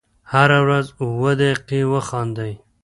هره ورځ اووه دقیقې وخاندئ .